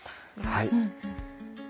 はい。